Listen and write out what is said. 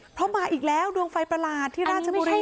เพราะมาอีกแล้วดวงไฟประหลาดที่ราชบุรี